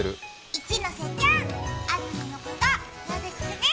一ノ瀬ちゃん、安住のことよろしくね。